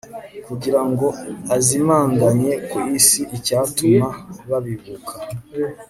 kugira ngo azimanganye ku isi icyatuma babibuka